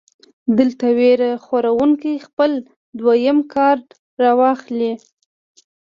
دلته وېره خوروونکے خپل دويم کارډ راواخلي -